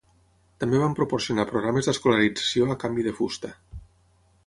També van proporcionar programes d'escolarització a canvi de fusta.